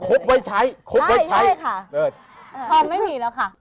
ครบไว้ใช้ครบไว้ใช้ใช่ค่ะตอนไม่มีแล้วค่ะ